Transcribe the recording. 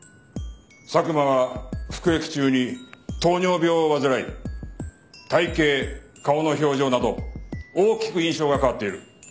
佐久間は服役中に糖尿病を患い体形顔の表情など大きく印象が変わっている。